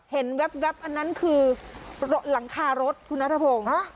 แว๊บอันนั้นคือหลังคารถคุณนัทพงศ์